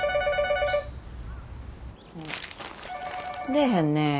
☎出えへんね。